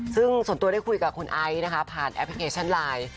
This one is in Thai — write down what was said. ซึ่งส่วนตัวได้คุยกับคุณไอซ์นะคะผ่านแอปพลิเคชันไลน์